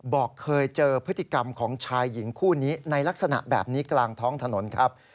บอกเคยเจอพฤติกรรมของชายหญิงคู่นี้ในลักษณะแบบนี้กลางท้องถนนครับ